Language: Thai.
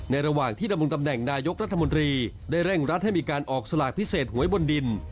ระหว่างที่ดำรงตำแหน่งนายกรัฐมนตรีได้เร่งรัดให้มีการออกสลากพิเศษหวยบนดิน